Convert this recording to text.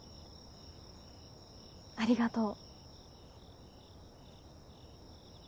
ありがとう。